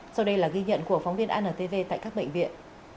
sau đây là ghi nhận của phóng viên antv tại các bệnh viện